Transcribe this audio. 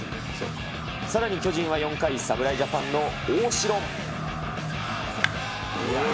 さらに巨人は４回、侍ジャパンの大城。